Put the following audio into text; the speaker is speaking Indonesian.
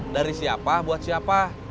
dari siapa buat siapa